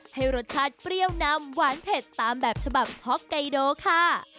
ให้รสชาติเปรี้ยวนำหวานเผ็ดตามแบบฉบับฮ็อกไกโดค่ะ